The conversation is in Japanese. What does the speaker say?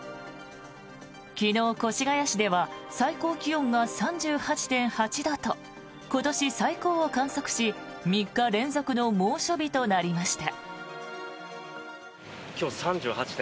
昨日、越谷市では最高気温が３８．８度と今年最高を観測し３日連続の猛暑日となりました。